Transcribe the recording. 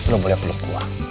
lo boleh peluk gue